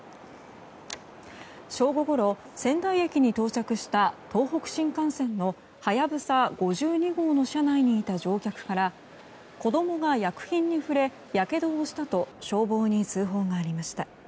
正午ごろ仙台駅に到着した東北新幹線の「はやぶさ５２号」の車内にいた乗客から子供が薬品に触れやけどをしたと消防に通報がありました。